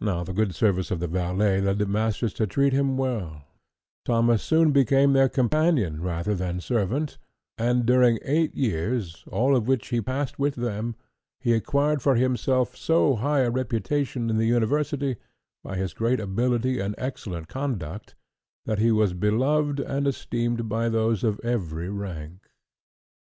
Now the good service of the valet led the masters to treat him well; Thomas soon became their companion rather than servant, and, during eight years, all of which he passed with them, he acquired for himself so high a reputation in the university, by his great ability and excellent conduct, that he was beloved and esteemed by those of every rank.